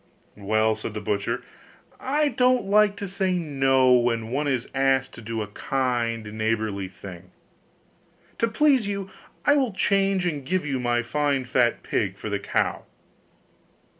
'Well,' said the butcher, 'I don't like to say no, when one is asked to do a kind, neighbourly thing. To please you I will change, and give you my fine fat pig for the cow.